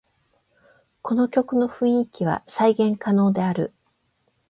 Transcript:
この曲の雰囲気は再現可能である